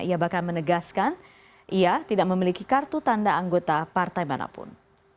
ia bahkan menegaskan ia tidak memiliki kartu tanda anggota partai manapun